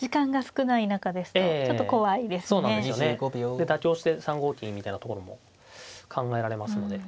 で妥協して３五金みたいなところも考えられますので。